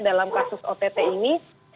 dalam kasus ott ini